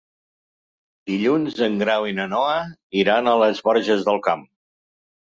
Dilluns en Grau i na Noa iran a les Borges del Camp.